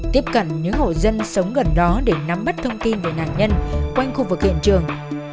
tiếp cận những hộ dân sống gần đó để nắm bắt thông tin về nạn nhân quanh khu vực hiện trường